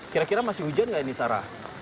kira kira masih hujan nggak ini sarah